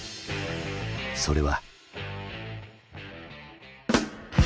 それは。